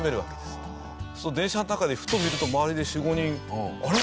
すると電車の中でふと見ると周りで４５人「あれ？